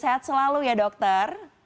sehat selalu ya dokter